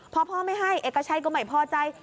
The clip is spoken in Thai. พอพ่อไม่ให้เอกชัยก็ไม่พอใจ